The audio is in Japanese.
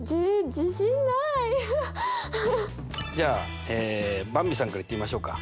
ハハッ！じゃあばんびさんからいってみましょうか。